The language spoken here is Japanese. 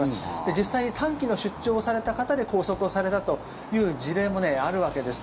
実際に短期の出張をされた方で拘束をされたという事例もあるわけです。